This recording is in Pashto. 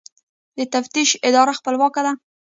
د تفتیش اداره خپلواکه ده؟